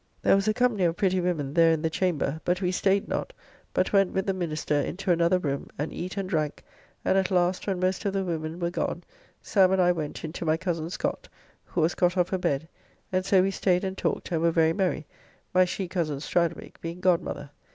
There was a company of pretty women there in the chamber, but we staid not, but went with the minister into another room and eat and drank, and at last, when most of the women were gone, Sam and I went into my cozen Scott, who was got off her bed, and so we staid and talked and were very merry, my she cozen, Stradwick, being godmother.